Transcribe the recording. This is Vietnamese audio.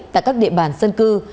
tại các địa bàn dân cư